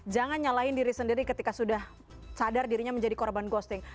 jangan nyalahin diri sendiri ketika sudah sadar dirinya menjadi korban ghosting